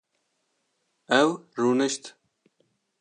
Ew rûnişt